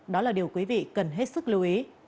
đó là điều quý vị cần hết sức lưu ý